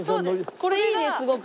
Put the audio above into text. これいいねすごく。